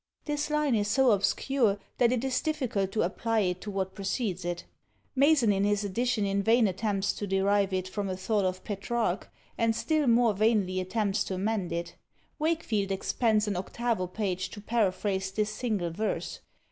This line is so obscure that it is difficult to apply it to what precedes it. Mason in his edition in vain attempts to derive it from a thought of Petrarch, and still more vainly attempts to amend it; Wakefield expends an octavo page to paraphrase this single verse.